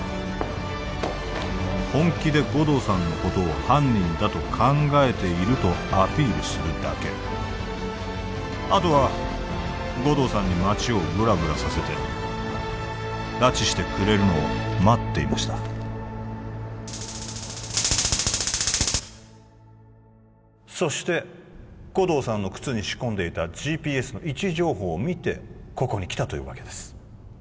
本気で護道さんのことを犯人だと考えているとアピールするだけあとは護道さんに街をブラブラさせて拉致してくれるのを待っていましたそして護道さんの靴に仕込んでいた ＧＰＳ の位置情報を見てここに来たというわけです